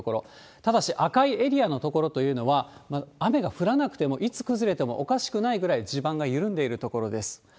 ただし赤いエリアの所というのは、雨が降らなくても、いつ崩れてもおかしくないぐらい地盤が緩んでいる所です。